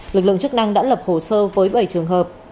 lực lượng chức năng đã lập hồ sơ với bảy trường hợp